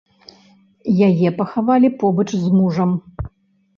Яе пахавалі побач з мужам.